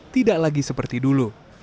tidak lagi seperti dulu